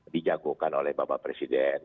dijagokan oleh bapak presiden